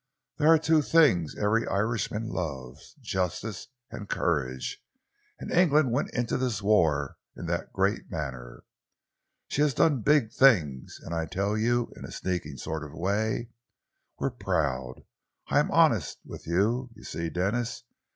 There are two things every Irishman loves justice and courage and England went into this war in the great manner. She has done big things, and I tell you, in a sneaking sort of way we're proud. I am honest with you, you see, Denis.